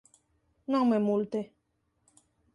Non me multe.